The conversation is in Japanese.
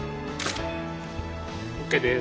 ＯＫです。